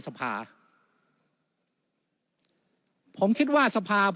วุฒิสภาจะเขียนไว้ในข้อที่๓๐